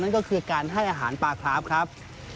นั่นก็คือการให้อาหารปลาคราฟครับ